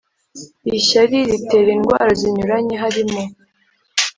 ishyari ritera indwara zinyuranye harimo